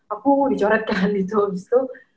aku dicoretkan gitu abis itu